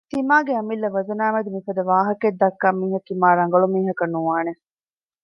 ތިމާގެ އަމިއްލަ ވަޒަނާމެދު މިފަދަ ވާހަކައެއް ދައްކާ މީހަކީ މާ ރަނގަޅު މީހަކަށް ނުވާނެ